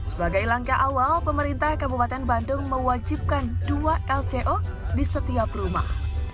sebagai langkah awal pemerintah kabupaten bandung mewajibkan dua lco di setiap rumah